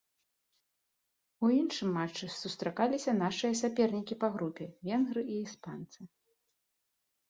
У іншым матчы сустракаліся нашыя сапернікі па групе венгры і іспанцы.